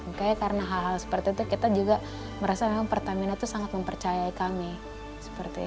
makanya karena hal hal seperti itu kita juga merasa pertamina itu sangat mempercayai kami